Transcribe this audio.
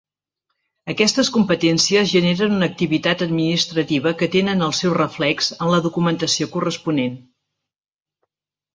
Aquestes competències generen una activitat administrativa que tenen el seu reflex en la documentació corresponent.